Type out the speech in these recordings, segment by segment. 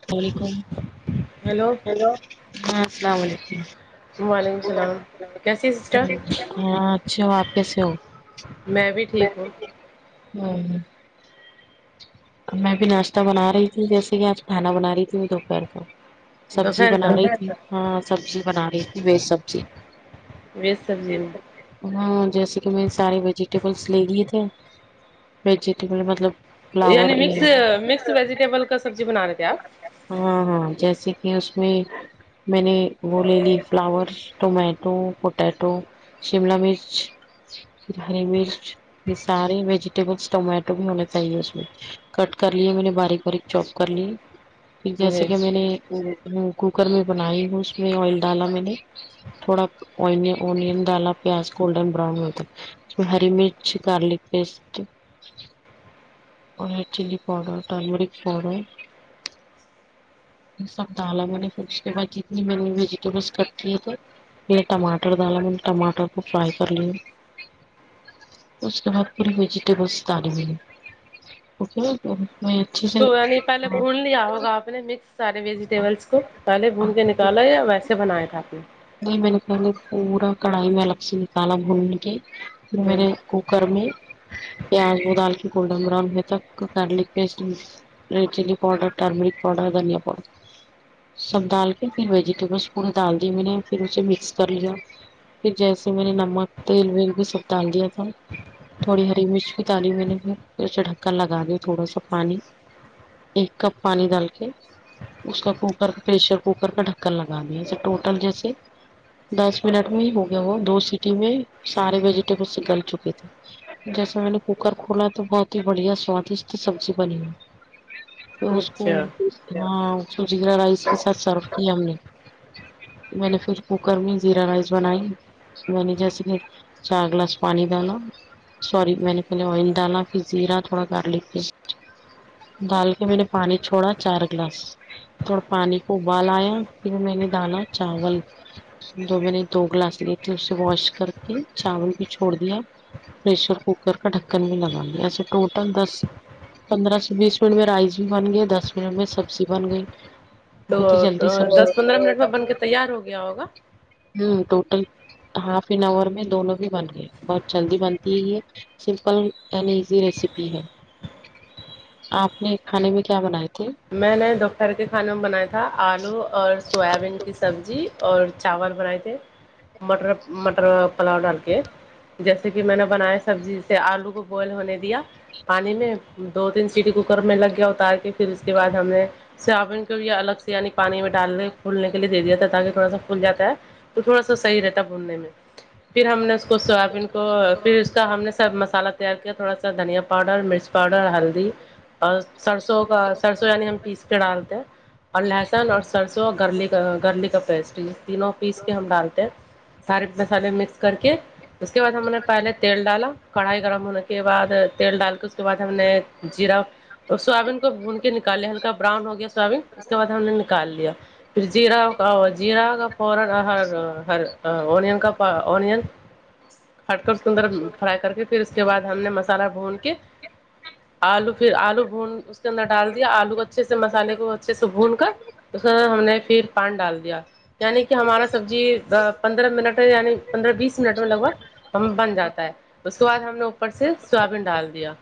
اللام علیکم ہیلو ہاں السلام علیکم وعلیکم السلام کیسیے ہیں سسٹر ہاں اچھے ہو آپ کیسے ہو میں بھی ٹھیک ہوں ہاں میں بھی ناشتہ بنا رہی تھی جیسے کہ آج کھانا بنا رہی تھی دوپہر کا سبزی دوپہر بنا کا رہی تھی ہاں سبزی بنا رہی تھی ویج سبزی ویز سبزی میں ہاں جیسے کہ میں نے سارے ویجیٹیبلس لے لیے تھے ویجیٹیبل مطلب فلاور یہ مس مکس ویجیٹیبل کا سبزی بنارے تھے آپ ہاں ہاں جیسے کہ اس میں میں نے وہ لے لی فلاورس ٹومیٹو پوٹیٹو شیملہ مرچ پھر ہری مرچ یہ سارے ویجیٹیبلس ٹومیٹو بھی ہونا چاہیے اس میں کٹ کر لیے میں نے باریک باریک چوپ کر لی پھر جیسے جی کہ میں نے کوکر میں بنائی ہوں اس میں آئل ڈالا میں نے تھوڑا ا اون ڈالا پیاز گڈن براؤن ہوئے تک ہری مرچ گارلک پیسٹ اور چللی پاؤڈر ٹرمیرک پاؤڈر سب ڈالا میں نے پھر اس کے بعد جتنی میں نے ویجیٹیبلس کٹ کے تھے م ٹماٹر ڈالا میں ٹماٹر کو فرائی کر لیں اس کے بعد پوری ویجیٹیبلس دالے گے اوکے اچھے اس سے کو یعنی پہلے بھون لیا ہوگا آپ نے مکس سارے ویجیٹیبلس کو پہلے بھون کے نکالا یا ویسے بنایا تھا آپ نے جی میں نے پہلے پورا کڑھائی میں الگ سے نکالا بھون کے میں ہوں، نے کوکر میں پیاز وہ دال کے گولڈن براؤن ہہونے تک garlic paste red chilli powder turmeric powder دنیا پؤڈر سب ڈال کے پھر ویجیٹبلس پورے ڈال دی میں نے پھر اسے مکس کر لیا پھر جیسے میں نے نمک تیل ویل بھی سب ڈال دیا تھا تھوڑی ہری مرچ بھی ڈالی میں نے پھر اسے ڈھکن لگا دیا تھوڑا سا پانی ایک کپ پانی ڈال کے اس کا کوکر پریشر کوکر کا ڈھکن لگان د ہے اسے ٹوٹل جیسے دس منٹ میں ہی ہو گیا وہ دو سیٹی میں سارے ویجیٹیبل گل چکے تھے جیسا میں نے کوکر کھولا تو بہت ہی بڑھیا سوادشٹ سبزی بنی ہوئی تو اس کو اچھا ہاں اسکو زیرا رائس کے ساتھ سرو کیا ہم نے میں نے کچھ کوکر میں زیرا رائس بنائی میں نے جیسے کہ چار گلاس پانی ڈالا سوری میں نے پہلے آئل ڈالا پھر زیرا تھوڑا گارلک پیسٹ ڈال کے میں نے پانی چھوڑا چار گلاس تھوڑا پانی کو ابالایا پھر میں نے ڈالا چاول دو میں نے دو گلاس لیے تھی اسے واش کر کے چاول بھی چھوڑ دیا پرریشر کوکر کا ڈھکن بھی لگا دیا ٹوٹل دس پندرہ سے بیس منٹ میں رائس بھی بن گیا دس منٹ میں سبزی بن گئی تو بہت ہی جلدی سبزی دس پندرہ منٹ میں بن کے تیار ہو گیا ہوگا ہوں ٹوٹل ہاف این آور میں دونوں بھی بن گئے بہت جلدی بنتی ہے یہ سمپل اینڈ ایزی ریسیپی ہے آپ نے کھانے میں کیا بنائے تھے میں نے دوپہر کے کھانے میں بنایا تھا آلو اور سویا بین کی سبزی اور چاول بنائے تھے مٹر مٹر پلاؤ ڈال کے جیسے کہ میں نے بنایا سبزی سے آلو کو بوائل ہونے دیا پانی میں دو تین سیٹی کوکر میں لگ گیا اتار کے پھر اس کے بعد ہم نے سابن کو بھی الگ سے یعنی پانی میں ڈالنے پھولنے کے لیے دیاتا ہے تاکہ تھوڑا سا پھول جاتا ہے تو تھوڑا سا صحیح رہتا بھوننے میں پھر ہم نے اس کو سویابین کو پھر اس کا ہم نے سب مسالہ تیار کیا تھوڑا سا دھنیا پاؤڈر مرچ پاؤڈر ہلدی اور سرسوں کا سرسو یعنی ہم پیس کے ڈالتے ہیں اور لہسن اور سرسوں اور گرلی کا گرلک کا پیسٹ تینوں پیس کے ہم ڈالتے ہیں سارے مسالے مکس کر کے اس کے بعد ہم نے پہلے تیل ڈالا کڑھائی گرم ہونے کے بع تیل ڈال کے اس کے بعد ہم نے جیرا اور سویابین کو بھون کے نکال لیا ہلکا براؤن ہو گیا سویابین اس کے بعد ہم نے نکال لیا پھر جیرا جیرا کا پاؤڈر اور ہر اونین کا اونین ہٹ کر اس کے اندر فرائی کر کے پھر اس کے بعد ہم نے مسالہ بھون کے آلو پھر آلو بھون اس کے اندر ڈال دیا آلو کو اچھے سے مسالے کو اچھے سے بھون کر اس ہم نے پھر پان ڈال دیا یعنی کہ ہمارا سبزی پندرہ منٹ مے یعنی پندرہ بیس منٹ میں لگ بھگ ہم بن جاتا ہے اس کے بعد ہم نے اوپر سے سویابین ڈال دیا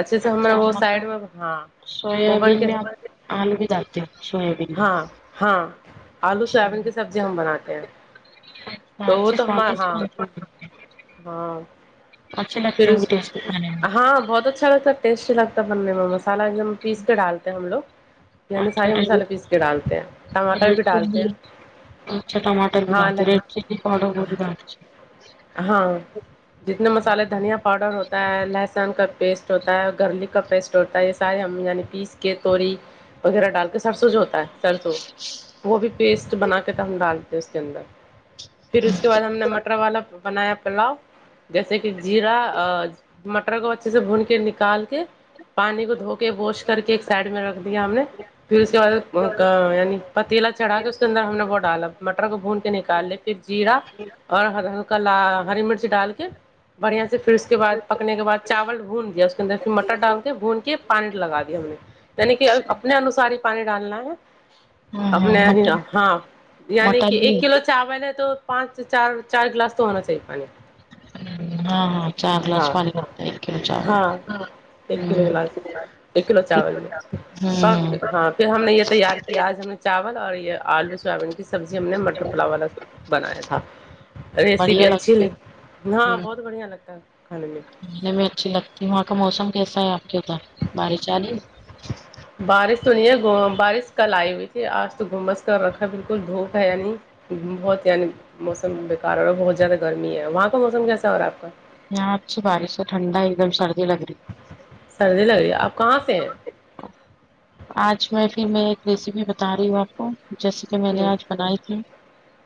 اچھے سے ہم وہ سائڈ میں ہاں وہ بن سویابین کے میں اپ آلو بھی ڈالتے ہو سویابین ہاں میں جی ہم بناتے ہیں تو سات وہ سے تو ہمار سوادشٹ ہاں بنتے ہوں ہاں اچھے پھر لگتے ہوں گے اس ٹیسٹی کھانے میں ہان بہت اچھا لگتا ٹیسٹی لگتا ہے بننے میں مسالہ ایک دم پیس کے ڈالتے ہیں ہم لوگ یعنی اچھا سارے مسالے پیس کے ڈالتے ہیں ٹماٹر ریڈ بھی ڈالتے چلی ہیں اچھا ٹمٹر بھی رہتی ریڈ ہاں چلی پؤڈر وہ بھی ڈالتے ہاں جتنے مسالے دھنیا پاؤڈر ہوتا ہے لہسن کا پیسٹ ہوتا ہے گرلک کا پیسٹ تا ہے یہ سارے ہم یعنی پیس کے توری وغیرہ ڈال کے سرسو جو سرسوں وہ بھی پیسٹ بنا کے تو ہم ڈالتے ہیں اس کے اندر پھر اس کے بعد ہم نے مٹر والا بنایا پلاؤ جیسے کہ جیرا مٹر کو اچھے سے بھون کے نکال کے پانی کو دھو کے ووش کر کے ایک سائڈ میں رکھ دیا ہم نے پھر اس کے بعد یعنی پتیلا چڑھا کے اس کے اندر ہم نے وہ ڈالا مٹر کو بھون کے نکال لے پھر جیرا اور کا ہری مرچ ڈال کے بڑھیا سے پھر اس کے بعد پکنے کے بعد چاول بھون دیا اس کے اندر مٹر ڈال کے بھون کے پانی لگا دیا ہم نے یعنی کہ اپنے انوسار ہی پانی ڈالنا ہے ہاں ہاں اپنے مٹن ہاں یعنی کہ مٹن بھی ایک کلو چاول نے تو پانچ چار چار گلاس تو ہونا چاہیے پانی ہاں ہاں چار گلاس ہاں پانی لگتا ایک کلو چاول ہاں ایک کلو میں گلاس ایک کلو چاول میں پاک ہاں پھر ہم نے یہ تیار کیا آج ہم نے چاول اور یہ آلو سویابین کی سبزی ہم نے مٹر پلاو والا بنایا تھا بڑھیا ریسیپی اچھی لگتی ہوں لگی ہاں بہت بڑھیا لگتا ہے کھانے میں گھومنے میں اچھی لگتی وہاں کا موسم کیسا ہے آپ کے پاس بارش آ رہی ہے بارش تو نہیں ہے بارش کل آئی ہوئی تھی آج تو گھمبس کر رکھا بالکل دھوپ ہے یا نہیں بہت یعنی موسم بیکار اور رہا بہت زیادہ گرمی ہے وہاں کا موسم کیسا ہو رہا آپ کا یہاں اچھی بارش ہے ٹھنڈ ہے ایک دم سردی لگ رہی سردی لگ رہی ہے آپ کہاں پہ ہیں آج میں پھر میں ایک ریسیپی بتا رہی ہوں آپ کو جیسے کہ میں نے جی آج بنائی تھی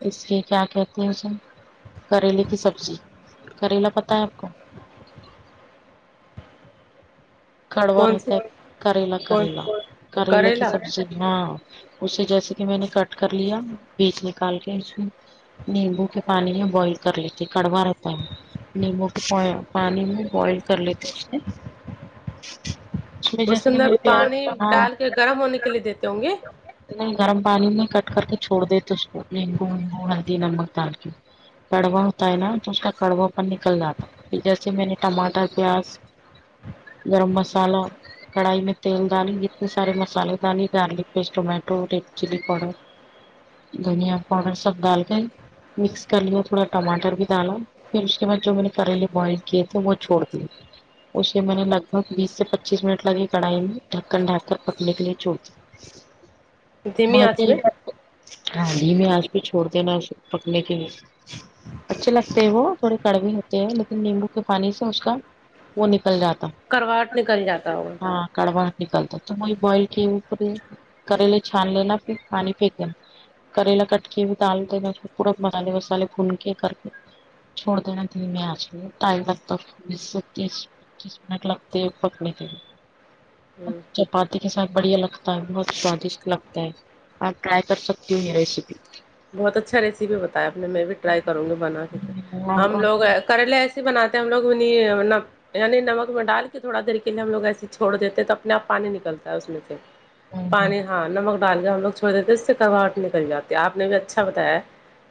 اس کے کیا کہتے ہیں اسے کریلے کی سبزی کریلا پتہ ہے آپ کو کڑوا کون رہتا سی ہے کریلا کون کریلا کریلا کی سبزی ہاں اسے جیسے کہ میں نے کٹ کر لیا بیچ نکال کے اس میں نیمبو کے پانی میں بوائل کر لیتی کڑوا رہتا ہے نیبو کے پانی میں بوائل کر لیتے اس میں اس کے جیسے کہ اندر میں نے پانی پیاز ہاں ڈال کے گرم ہونے کے لیے دیتے ہوں گے نہیں گرم پانی میں کٹ کر کے چھوڑ دیتے اس کو نیمبو و ہلدی نمک دال کے کڑوا ہوتا ہے نا تو اس کا کڑوا پن نکل جاتا ہے پھر جیسے میں نے ٹماٹر پیاز گرم مسالہ کڑھائی میں تیل ڈالی اتنے سارے مسالے ڈالے garlic paste tomato red chilli powder دھنیا پاؤڈر سب ڈال کے مکس کر لیا تھوڑا ٹماٹر بھی ڈالو پھر اس کے بعد جو میں نے کریلے بوائل کیے تھے وہ چھوڑ دی اسے میں نے لگ گ بیس سے پچیس منٹ لگی کڑھائی ڈھکن ڈھنپ کر پکنے کے لیے چھڑتی دھیمی آنچ میں ہدھی میں آج پ چھوڑ دینا اس پکنے کے لیے اچھے لگتے ہیں وہ تھوڑے کڑوے ہوتے ہیں لیکن نیمبو کے پانی سے اس کا وہ نکل جاتا کرواہٹ نکل جاتا ہو ہاں کڑوا نکلتا تو وہی بوائل کے اوپر کریلے چھان ل نا پھر پانی پھینک دینا کریلا کٹکے بھی تال د ن پورک مسے مسال پونکے کرتے چھوڑ دینا دھمی انج پہ ٹائم لگتاکس سے تس پچیس منٹ لگ پکنے کے لئے [inaudible] پارٹی کے ساتھ بڑھیا لگتا ہے بہت سوادشٹ لگتا ہے آپ ٹرائی کر سکتی ہیں یہ ریسیپی بہت اچھا ریسیپی بتایا آپ نے میں بھی ٹرائی کروں گی بنا کے ہم لوگ اور کریلے ایسے بناتے ہیں ہم لوگ منی یعنی نمک میں ڈال کے تھوڑا دیر کے لیے ہم لوگ ایسے چھڑ دیتے ہیں تو اپنے آپ پانی نکلتا ہے اس میں سے پانی ہاں نمک ڈال کے ہم لوگ چھوڑ دیتے اس سے کڑواہٹ نکل جاتی ہے آپ نے بھی اچھا بتایا ہے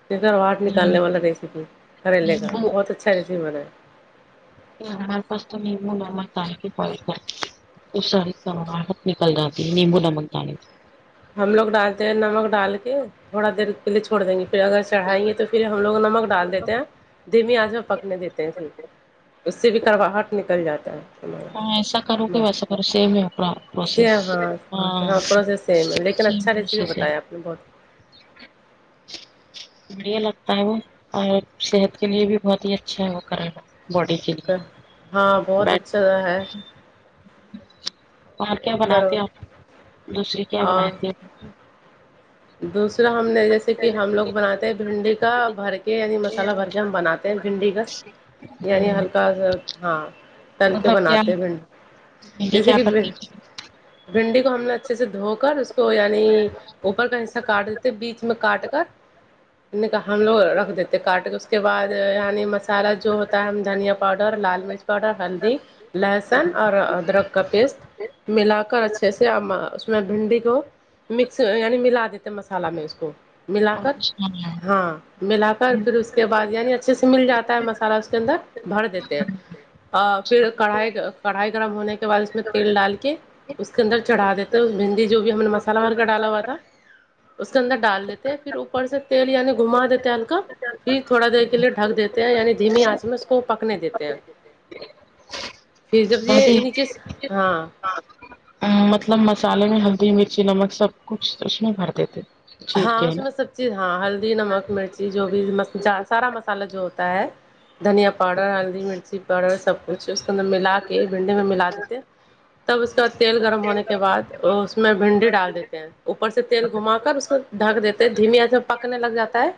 کہ گھرواہٹ نکالنے والا ریسیپی کرریلے کا نیمبو بہت اچھا [unintelligible] ہمارے پاس تو نیمبو نمک دالکے بوئل کرتے ہیں وہ ساری کڑواہٹ نکل جاتی ہے نیمبو نمک ڈالے تو ہم لوگ ڈالتے ہیں نمک ڈال کے تھوڑا دیر کےلیے چھوڑ دیں گے پھر اگر چڑھائیے تو پھر ہم لوگ نمک ڈال دیتے ہیں دھیمی آنچ پے پکنے دیتے ہیں اس سے بھی کرواہٹ نکل جاتا ہے ہاں ایسا کرو کہ وسا کرو سیم ہے پورا پروسیس سیم ہاں ہاں سیم ہے لیکن اچھا ریسیپی پروسیس ہے بتایا آپ نے بہت بڑھیا لگتا ہے وہ اور صحت کے لیے بھی بہت ہی اچھا ہے وہ کریلا باڈی کے لیے ہاں بہت بیٹ اچھا ہے اور کیا یعنی کرو بناتے ہو دوسری کیا اور بناتے ہو دوسرا ہم نے جیسے کہ ہم لوگ بنے ہیں بھنڈی کا بھر کے یعنی مسالہ بھر کے ہم بناتے بھنڈی کاس یعنی ہوں ہلکا سا ہاں تل کے مطلب کیا بناتے ہیں بھنڈی دیدی جیسے کیا کی کرتی بہنڈ تھی بھنڈی کو ہم نے اچھے سے دھو کر اس کو یعنی اوپر کا حصہ کاٹ دیتے بیچھ میں کاٹ کر ھم نے کہا ہم لوگ رکھ دیتے کاٹ کے اس کے بعد یعنی مسالہ جو ہوتا ہے ہم دھنیا پاؤڈر لال مرچ تھوڑا ہلدی لہسن اور ادرک کا پیسٹ ملا کر اچھے سے ہم اس اس میں بھنڈی کو مکس یعنی ملا دیتے مسالہ میں اس کو ملا اور کر کچھ نہیں ہے؟ ہاں ملا بہت کر پھر اس کے بعد یعنی اچھے سے مل جاتا ہے مسالا اس کے اندر بھر دیتے ہیں پھر کڑھائی کڑھائی گرم ہونے کے بعد اس میں تیل ڈال کے اس کے اندر چڑھا دیتے بھنڈ ی جو بھی ہم نے مسالہ بھر کے ڈالا ہوا تھا اس کے اندر ڈال دیتے ہیں پھر اوپر سے تیل یعنی گھو ما دیتے ہیں ہلکا پھر تھوڑا دیر کے لیے ڈھک دیتے ہیں یعنی دھیمی آنچ میں اس کو پکنے دیتے ہیں [inaudible] پھر جب یہ ہی نیچے سے ہاں مطلب مسالے میں ہلدی مرچی نمک سب کچھ اس میں بھر دیتے ہیں ہاں اس میں سب چیز ہاں ہلدی نمک مرچی جو بھی ہاں سارا مسالہ جو ہوتا ہے دھںیا پاؤڈر ہلدی مرچی پاؤڈر سب کچھ اسکے اندر ملا کے بھنڈی میں ملا دیکے تب اس کے بعد تیل گرم ہونے کے بعد اس میں بھنڈی ڈال دیتے ہیں اوپر سے تیل گھوما کر اس کو ڈھک دیتے ہے دھیمی آنچ میں پکنے لگ جاتا ہے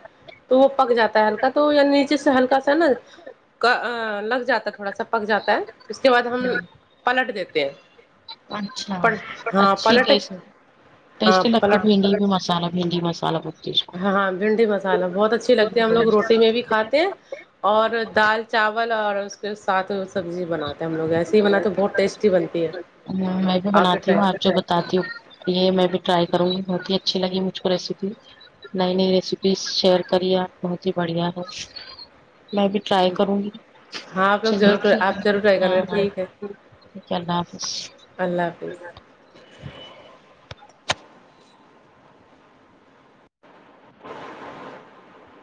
تو وہ پک جاتا ہے ہلکا تو یا نیچے سے ہلکا سانا کا لگ جاتا ہے تھوڑا سا پک جاتا ہے اس کے بعد ہم ہوں پلٹ دیتے ہیں اچھا ہاں اچھی پلٹ ٹیسٹ ہاں ٹیسٹی لگتی پلٹ بھنڈی بھی مسالہ بھنڈی مسالہ اس کو ہاں ہاں بھنڈی مسالہ بہت اچھی لگتی ہے ہم لوگ روٹی میں بھی کھاتے ہیں اور دال چاول اور اس کے سات سبزی بناتے ہیں ہم لوگ ایسے ہی بناتے تو بہت ٹیسٹی بنتی ہے آپ بھی ٹرائی کا اچھا بتاتی ہوں یہ میں بھی ٹرائی کروں گی بہت ہی اچھی لگی مجھ کو ریسیپی نئی نئی ریسیپیز شیئر کریے آپ بہت ہی بڑھیا ہے میں بھی ٹرے کروں گی ہاں آپ لوگ چلیے ضرور ٹھیک ہے آپ ضرور ٹرائی ہاں کرنا ہاں ٹھیک ہے ٹھیک ہے اللہ حافظ اللہ حافظ